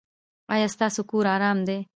ایا ستاسو کور ارام دی؟